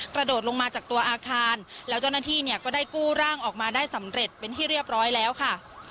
กระโดดลงมาจากตัวอาคารแล้วเจ้าหน้าที่เนี่ยก็ได้กู้ร่างออกมาได้สำเร็จเป็นที่เรียบร้อยแล้วค่ะ